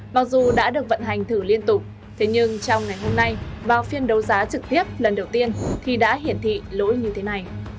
mặc dù đã được vận hành thử liên tục thế nhưng trong ngày hôm nay vào phiên đấu giá trực tiếp lần đầu tiên thì đã hiển thị lỗi như thế này